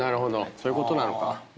そういうことなのか。